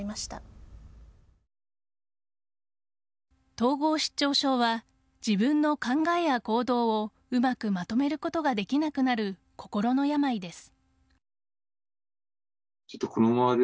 統合失調症は自分の考えや行動をうまくまとめることができなくなる心の病です。